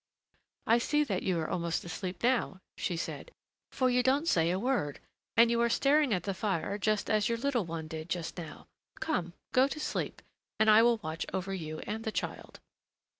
"I see that you're almost asleep now," she said, "for you don't say a word, and you are staring at the fire just as your little one did just now. Come, go to sleep, and I will watch over you and the child."